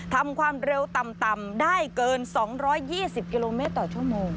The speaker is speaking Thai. ทำความเร็วต่ำได้เกิน๒๒๐กิโลเมตรต่อชั่วโมง